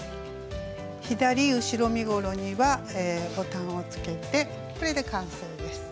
左後ろ身ごろにはボタンをつけてこれで完成です。